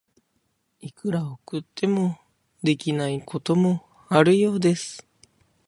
いくら送っても、できないこともあるようです。